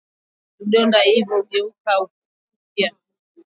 Vidonda hivyo hugeuka kuwa upele mbaya